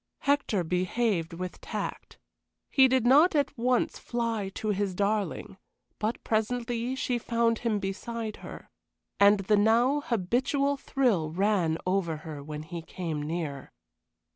Hector behaved with tact; he did not at once fly to his darling, but presently she found him beside her. And the now habitual thrill ran over her when he came near.